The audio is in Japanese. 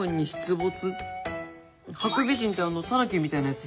ハクビシンってあのたぬきみたいなやつ？